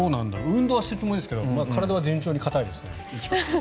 運動はしてるつもりですけど体は順調に硬いですね。